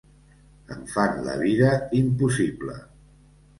“Em fan la vida impossible”.